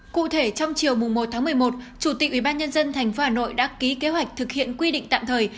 cụ thể trong chiều một một mươi một chủ tịch ubnd tp hà nội đã ký kế hoạch thực hiện quy định tạm thời